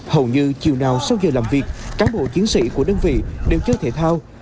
hầu như chiều nào sau giờ làm việc cán bộ chiến sĩ của đơn vị đều chơi thể thao